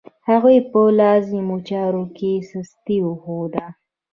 هغوی په لازمو چارو کې سستي وښوده.